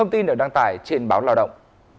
tin ở đăng tải trên báo lao động